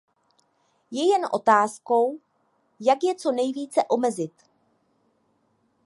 Je jen otázkou, jak je co nejvíce omezit.